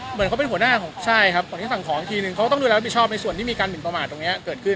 เหมือนเขาเป็นหัวหน้าใช่ครับสั่งของทีนึงเขาต้องรอบบิชอบในส่วนที่มีการอินประมาณตรงนี้เกิดขึ้น